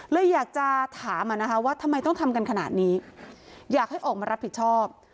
เลยอยากจะถามอ่ะนะคะว่าทำไมต้องทำกันขนาดนี้อยากให้ออกมารับผิดชอบ